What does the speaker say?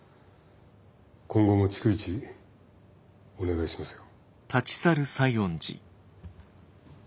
今後も逐一お願いしますよ。